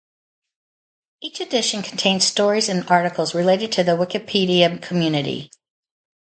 Each edition contains stories and articles related to the Wikipedia community.